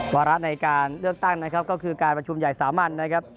วาระในการเลือกตั้งนะครับก็คือการประชุมใหญ่สามัญนะครับ